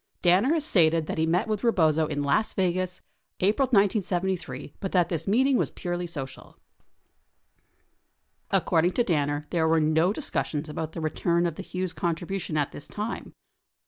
36 Danner has stated that he met with Rebozo in Las Vegas, April 1973, but that this meeting was purely social. According to Danner, there were no discussions about the return of the Hughes contribution at this time.